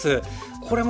これもね